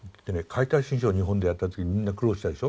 「解体新書」を日本でやった時にみんな苦労したでしょ。